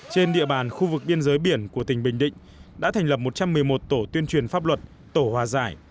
trên địa bàn khu vực biên giới biển của tỉnh bình định đã thành lập một trăm một mươi một tổ tuyên truyền pháp luật tổ hòa giải